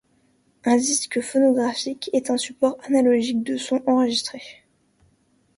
Un disque phonographique est un support analogique de sons enregistrés.